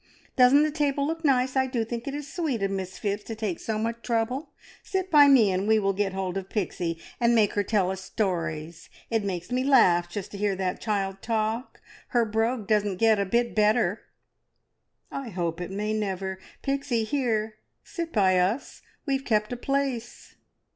Doesn't the table look nice? I do think it is sweet of Miss Phipps to take so much trouble. Sit by me, and we will get hold of Pixie, and make her tell us stories. It makes me laugh just to hear that child talk. Her brogue doesn't get a bit better." "I hope it never may. Pixie, here! Sit by us. We've kept a place!"